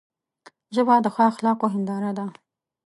ژبه د ښو اخلاقو هنداره ده